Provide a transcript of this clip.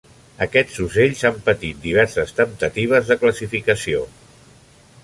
Aquests ocells han patit diverses temptatives de classificació.